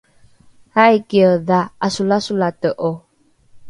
aikiedha ’asolasolate’o?